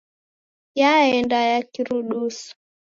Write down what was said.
Yaenda ya kirudusu.